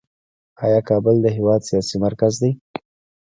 آیا کابل د هیواد سیاسي مرکز دی؟